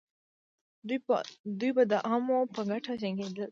دوی به د عوامو په ګټه جنګېدل.